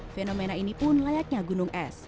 fenomena ini pun layaknya gunung es